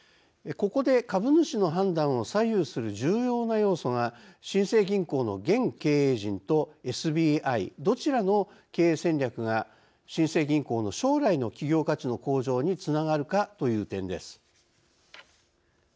ここで、株主の判断を左右する重要な要素が新生銀行の現経営陣とＳＢＩどちらの経営戦略が新生銀行の将来の「企業価値の向上」につながるかという点です。